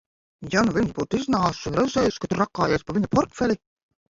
Ja nu viņš būtu iznācis un redzējis, ka tu rakājies pa viņa portfeli?